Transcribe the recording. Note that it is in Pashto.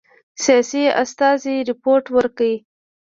سیاسي استازي رپوټ ورکړ.